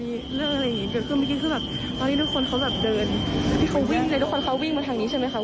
มีเรื่องอะไรอย่างงี้เกิดขึ้นเมื่อกี้คือแบบตอนนี้ทุกคนเขาแบบเดินที่เขาวิ่งเลยทุกคนเขาวิ่งมาทางนี้ใช่ไหมคะ